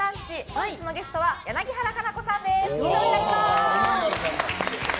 本日のゲストは柳原可奈子さんです。